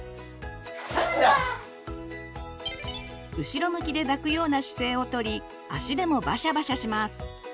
後ろ向きで抱くような姿勢をとり足でもバシャバシャします。